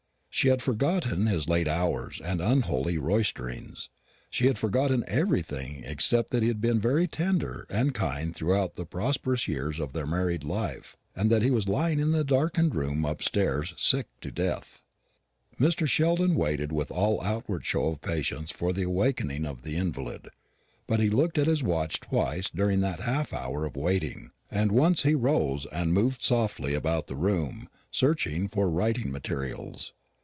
She had forgotten his late hours and unholy roisterings. She had forgotten everything except that he had been very tender and kind throughout the prosperous years of their married life, and that he was lying in the darkened room upstairs sick to death. Mr. Sheldon waited with all outward show of patience for the awakening of the invalid. But he looked at his watch twice during that half hour of waiting; and once he rose and moved softly about the room, searching for writing materials.